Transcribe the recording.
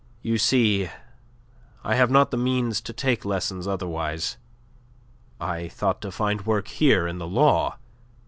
You see, I have not the means to take lessons otherwise. I thought to find work here in the law.